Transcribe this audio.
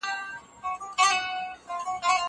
زه هره ورځ لاس پرېولم!